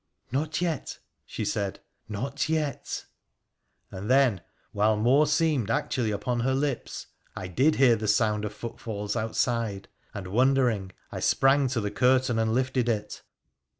' Not yet,' she said, ' not yet ' And then, while nore seemed actually upon her lips, I did hear the sound of botfalls outside, and, wondering, I sprang to the curtain and ifted it.